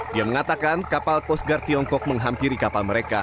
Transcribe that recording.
dia mengatakan kapal coast guard tiongkok menghampiri kapal mereka